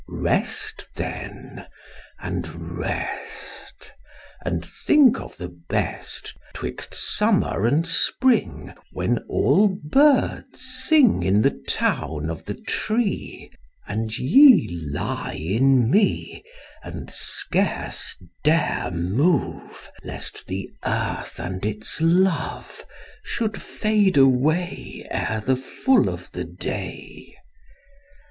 Rest then and rest, And think of the best 'Twixt summer and spring, When all birds sing In the town of the tree, And ye lie in me And scarce dare move, Lest the earth and its love Should fade away Ere the full of the day.